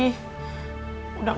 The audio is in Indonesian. udah gak berhenti